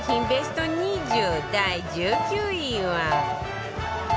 ベスト２０第１９位は